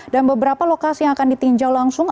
dan beberapa lokasi yang akan ditinjau langsung